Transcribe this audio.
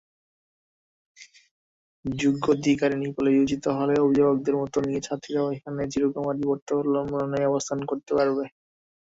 যোগ্যাধিকারিণী বলে বিবেচিত হলে অভিভাবকদের মত নিয়ে ছাত্রীরা এখানে চিরকুমারী-ব্রতাবলম্বনে অবস্থান করতে পারবে।